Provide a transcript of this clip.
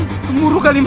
gemuruh kali umi